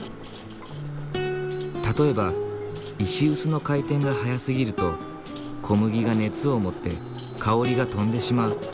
例えば石臼の回転が速すぎると小麦が熱を持って香りが飛んでしまう。